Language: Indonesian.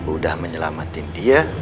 udah menyelamatin dia